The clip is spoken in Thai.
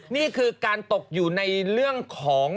นี่คือการตกอยู่ในเรื่องของ